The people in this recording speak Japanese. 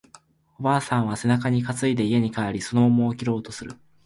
おばあさんは背中に担いで家に帰り、その桃を切ろうとする